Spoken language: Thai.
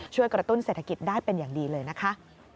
กระตุ้นเศรษฐกิจได้เป็นอย่างดีเลยนะคะ